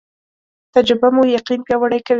تجربه مو یقین پیاوړی کوي